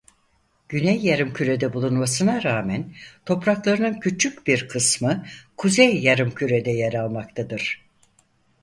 Güney Yarımküre'de bulunmasına rağmen topraklarının küçük bir kısmı Kuzey Yarımküre'de yer almaktadır.